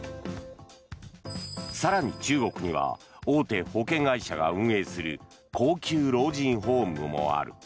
更に中国には大手保険会社が運営する高級老人ホームもある。